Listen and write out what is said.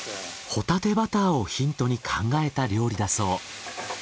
ホタテバターをヒントに考えた料理だそう。